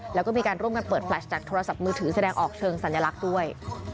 แล้วก็มีการร่วมกันเปิดแฟลชจากโทรศัพท์มือถือแสดงออกเชิงสัญลักษณ์ด้วย